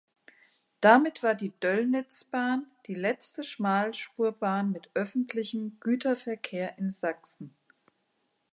Damit war die Döllnitzbahn die letzte Schmalspurbahn mit öffentlichem Güterverkehr in Sachsen.